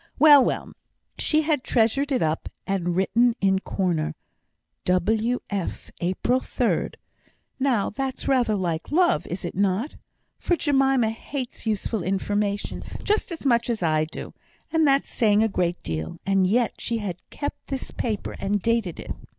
"Well, well! she had treasured it up, and written in a corner, 'W. F., April 3rd.' Now, that's rather like love, is not it? For Jemima hates useful information just as much as I do, and that's saying a great deal; and yet she had kept this paper, and dated it."